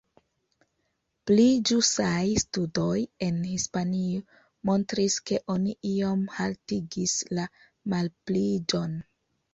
Pli ĵusaj studoj en Hispanio montris, ke oni iom haltigis la malpliiĝon.